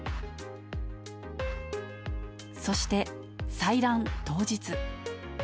そして、採卵当日。